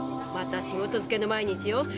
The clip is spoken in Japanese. また仕事づけの毎日よ。